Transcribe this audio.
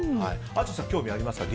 淳さん、興味ありますか？